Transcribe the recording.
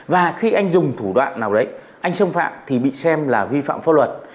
và khi anh dùng thủ đoạn nào đấy anh xâm phạm thì bị xem là vi phạm pháp luật